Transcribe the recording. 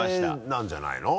なんじゃないの？